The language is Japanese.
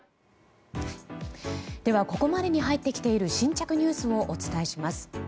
ここまでに入ってきている新着ニュースをお伝えします。